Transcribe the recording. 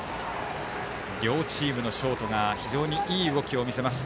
両チームのショートが非常にいい動きを見せます。